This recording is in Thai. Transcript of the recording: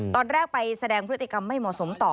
ตอนแรกไปแสดงพฤติกรรมไม่เหมาะสมต่อ